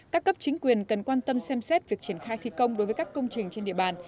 các cấp chính quyền cần quan tâm xem xét việc triển khai thi công đối với các công trình trên địa bàn